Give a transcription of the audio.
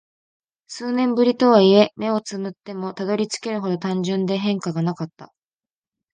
数年ぶりとはいえ、目を瞑ってもたどり着けるほど単純で変化がなかった。